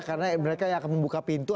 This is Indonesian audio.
karena mereka yang akan membuka pintu